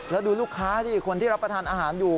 แล้วดูลูกค้าที่คนที่รับประทานอาหารอยู่